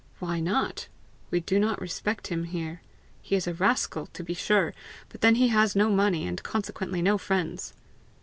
"Why not? We do not respect him here. He is a rascal, to be sure, but then he has no money, and consequently no friends!"